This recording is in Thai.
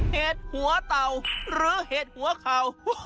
เหตุหัวเต่าหรือเหตุหัวเข่า